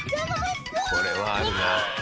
これはあるな。